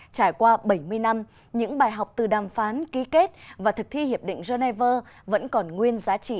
trải qua bảy mươi năm những bài học từ đàm phán ký kết và thực thi hiệp định geneva vẫn còn nguyên giá trị